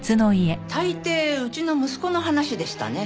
大抵うちの息子の話でしたね。